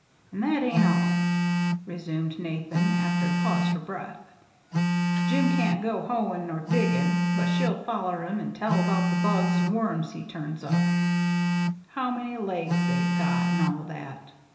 "An' that ain't all," resumed Nathan, after a pause for breath. "Jim can't go hoein' nor diggin' but she'll foller him an' tell 'bout the bugs an' worms he turns up, how many legs they've got, an' all that.